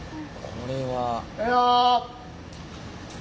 これは。